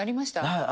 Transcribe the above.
はい。